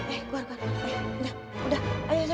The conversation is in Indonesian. eh keluar keluar